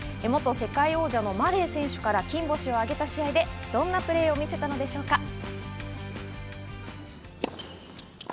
元世界王者のマレー選手から金星を挙げた試合でどんなプレーを見せたのでしょうか。